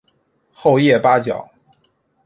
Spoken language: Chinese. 厚叶八角